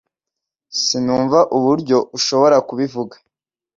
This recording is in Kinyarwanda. Sinumva uburyo ushobora kubivuga